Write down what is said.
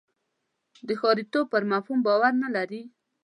د ښاریتوب پر مفهوم باور نه لري.